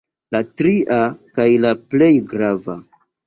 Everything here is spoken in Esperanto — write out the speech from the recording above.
La tria, kaj la plej grava.